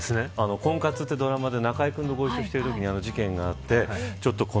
婚活ってドラマで中居君とご一緒してるときにあの事件があって。